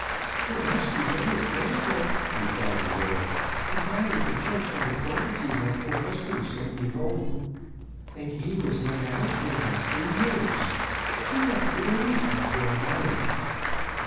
"It must be very plentiful," replied the widow, "if I am to judge by the quantity my poor husband sent me home, and he was not out more than three years. He left me a week after our marriage."